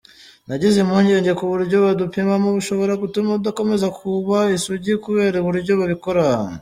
Nagize impungenge ko uburyo badupimamo bushobora gutuma udakomeza kuba isugi kubera uburyo babikora.